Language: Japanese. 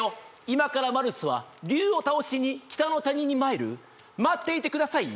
今からマルスは竜を倒しに北の谷にまいる」「待っていてください」